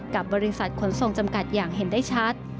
กับบริษัทขนส่งจำกัดอย่างเห็นได้ชัด